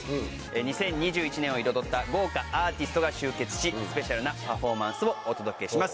２０２１年を彩った豪華アーティストが集結しスペシャルなパフォーマンスをお届けします。